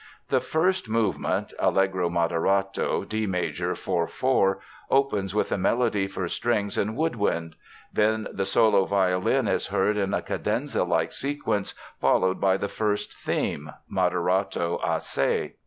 The first movement (Allegro moderato, D major, 4 4), opens with a melody for strings and woodwind. Then the solo violin is heard in a cadenza like sequence followed by the first theme (Moderato assai).